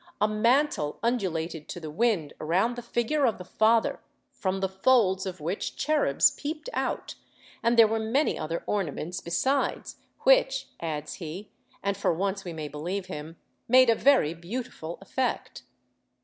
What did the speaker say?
A mantle undulated to the wind around the figure of the Father, from the folds of which cherubs peeped out; and there were many other ornaments besides, which," adds he, and for once we may believe him, "made a very beautiful effect."